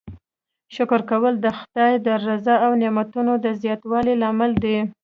شکر کول د خدای د رضا او نعمتونو د زیاتوالي لامل دی.